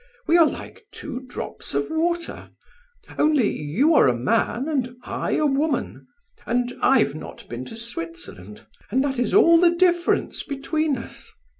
We are like two drops of water, only you are a man and I a woman, and I've not been to Switzerland, and that is all the difference between us."